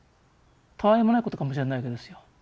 たあいもないことかもしれないわけですよ。